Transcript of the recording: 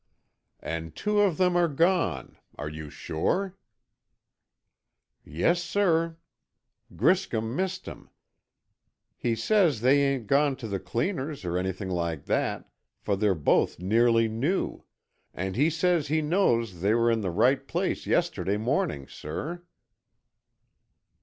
"And two of them are gone. Are you sure?" "Yes, sir. Griscom missed 'em. He says they ain't gone to the cleaner's or anything like that, for they're both nearly new. And he says he knows they were in their right place yesterday morning, sir."